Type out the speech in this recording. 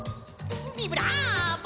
ビブラーボ！